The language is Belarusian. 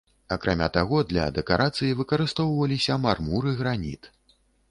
Акрамя таго, для дэкарацый выкарыстоўваліся мармур і граніт.